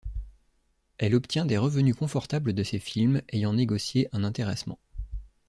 Elle obtient des revenus confortables de ces films, ayant négocié un intéressement.